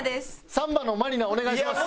サンバのまりなお願いします。